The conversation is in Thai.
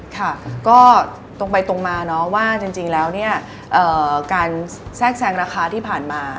ค่ะก็ตรงไปตรงมาเนาะว่าจริงแล้วเนี่ยการแทรกแซงราคาที่ผ่านมา